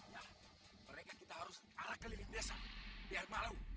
nah mereka kita harus arah keliling desa biar malu